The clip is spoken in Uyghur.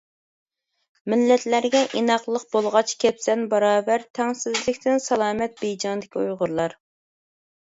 مىللەتلەرگە ئىناقلىق بولغاچ كەپسەن باراۋەر، تەڭسىزلىكتىن سالامەت بېيجىڭدىكى ئۇيغۇرلار.